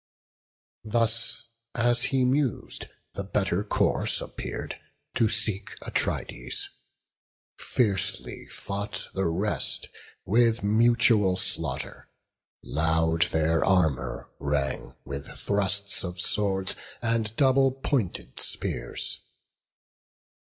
Thus as he mused, the better course appear'd, To seek Atrides; fiercely fought the rest With mutual slaughter; loud their armour rang With thrusts of swords and double pointed spears.